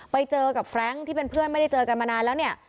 ไปเจอกับแฟรงค์ที่เป็นเพื่อนไม่ได้เจอกันมานานแล้วเนี่ย